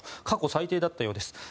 過去最低だったようです。